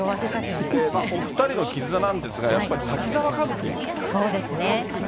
お２人の絆なんですが、やっぱり滝沢歌舞伎、これが大きいと。